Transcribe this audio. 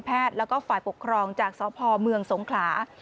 แล้วก็ฝ่ายปกครองจากสพเมืองสงขลา